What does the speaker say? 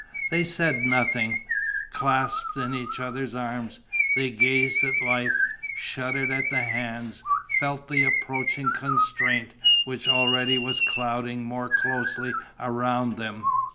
They said nothing: clasped in each other's arms, they gazed at life, shuddered at the hands, felt the approaching constraint which already was clouding more closely around them.